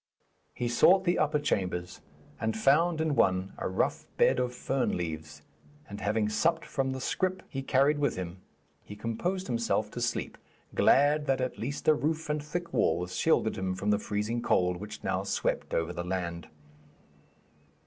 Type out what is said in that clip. He sought the upper chambers, and found in one a rough bed of fern leaves, and, having supped from the scrip he carried with him, he composed himself to sleep, glad that at least a roof and thick walls shielded him from the freezing cold which now swept over the land.